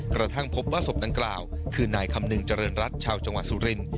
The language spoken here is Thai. กระทั่งพบว่าศพดังกล่าวคือนายคำนึงเจริญรัฐชาวจังหวัดสุริน